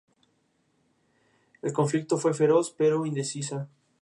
En la actualidad, esta construcción ha sido restaurada y vallada.